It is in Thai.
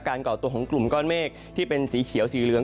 ก่อตัวของกลุ่มก้อนเมฆที่เป็นสีเขียวสีเหลือง